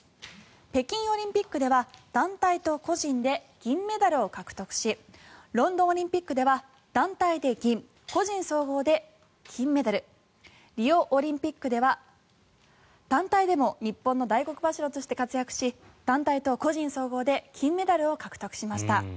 北京オリンピックでは団体と個人で銀メダルを獲得しロンドンオリンピックでは団体で銀、個人総合で金メダル。リオオリンピックでは団体でも日本の大黒柱として活躍し団体と個人総合で金メダルを獲得しました。